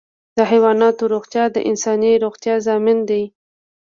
د حیواناتو روغتیا د انساني روغتیا ضامن ده.